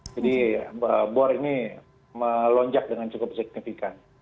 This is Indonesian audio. jadi warga ini melonjak dengan cukup signifikan